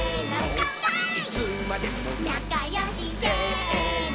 「なかよし」「せーの」